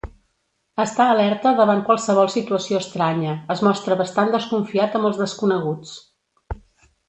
Està alerta davant qualsevol situació estranya, es mostra bastant desconfiat amb els desconeguts.